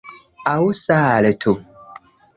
Aŭ saltu